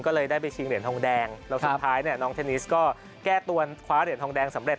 ก็เลยได้ไปชิงเหรียญทองแดงแล้วสุดท้ายเนี่ยน้องเทนนิสก็แก้ตัวคว้าเหรียญทองแดงสำเร็